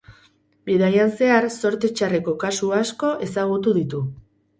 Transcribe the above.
Bidaian zehar zorte txarreko kasu asko ezagutu ditu.